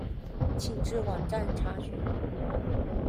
請至網站查詢